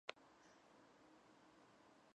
მდინარე მიედინება ქალაქის დასაწყისიდან მის ბოლომდე.